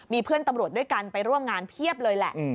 มีเพื่อนตำรวจด้วยกันไปร่วมงานเพียบเลยแหละ